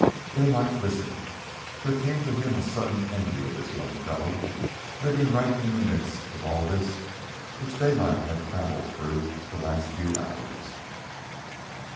Daylight listened, there came to him a sudden envy of this young fellow living right in the midst of all this which Daylight had travelled through the last few hours.